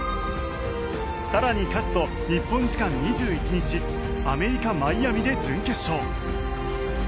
更に勝つと日本時間２１日アメリカマイアミで準決勝。